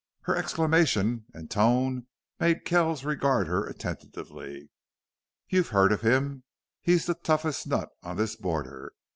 Her exclamation and tone made Kells regard her attentively. "You've heard of him? He's the toughest nut on this border....